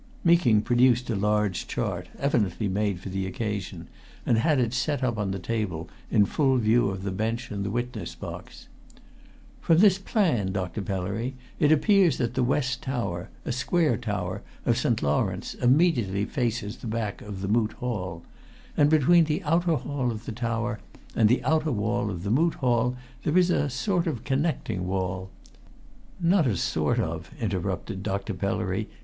Meeking produced a large chart, evidently made for the occasion, and had it set up on the table, in full view of the bench and the witness box. "From this plan, Dr. Pellery, it appears that the west tower, a square tower, of St. Lawrence immediately faces the back of the Moot Hall. And between the outer wall of the tower and the outer wall of the Moot Hall there is a sort of connecting wall " "Not a sort of," interrupted Dr. Pellery.